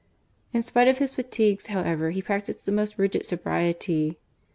In spite of his fatigues, however, he practised the most rigid sobriety.